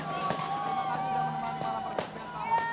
selamat tahun baru dua ribu delapan belas